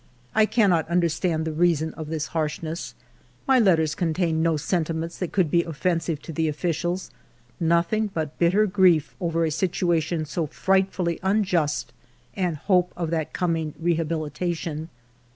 I cannot understand the reason of this harshness [the suppression of the letters by the Minister]. My letters contained no sentiments that could be offensive to the offi cials ; nothing but bitter grief over a situation so frightfully unjust and hope of that coming re habilitation.